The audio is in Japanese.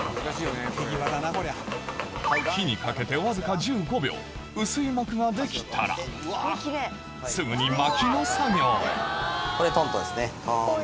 火にかけてわずか１５秒薄い膜ができたらすぐに巻きの作業トントントン。